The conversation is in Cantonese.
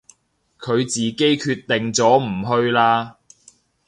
佢自己決定咗唔去啦